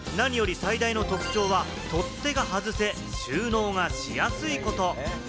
何より最大の特徴は取っ手が外せ、収納がしやすいこと。